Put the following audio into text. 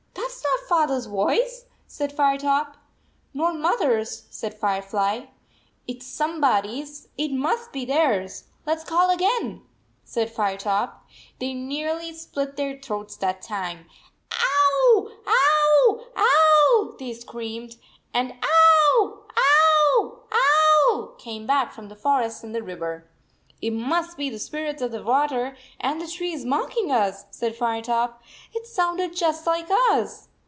"That s not Father s voice," said Fire top. "Nor Mothers," said Firefly. "It s somebody s. It must be theirs. Let s call again," said Firetop. They nearly split their throats that time. "Ow, ow, ow," they screamed, and " Ow, ow, ow," came back from the forest and the river. "It must be the spirits of the \vater and the trees, mocking us," said Firetop. "It sounded just like us."